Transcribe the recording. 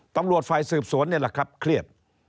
ตำรวจฝ่ายสืบสวนนี่แหละครับเครียด